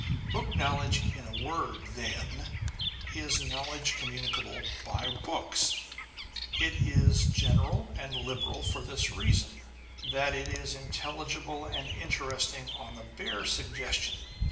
Book knowledge, in a word, then, is knowledge commu nicable by books : and it is general and liberal for this reason, that it is intelligible and interesting on the bare suggestion.